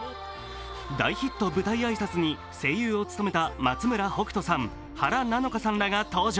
大ヒット舞台挨拶に声優を務めた松村北斗さん、原菜乃華さんらが登場。